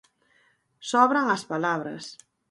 Sobran as palabras.